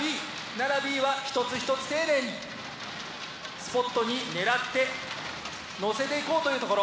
奈良Ｂは一つ一つ丁寧にスポットに狙ってのせていこうというところ。